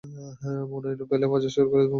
মনোনয়ন পেলে প্রচার শুরু করবেন বলেও জানান।